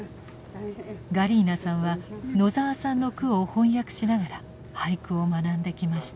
ガリーナさんは野澤さんの句を翻訳しながら俳句を学んできました。